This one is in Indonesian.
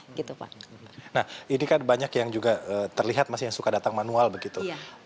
nah ini kan banyak yang juga terlihat masih yang suka datang manual begitu